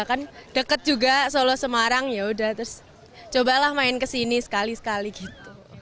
kan deket juga solo semarang yaudah terus cobalah main kesini sekali sekali gitu